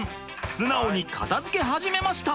素直に片づけ始めました。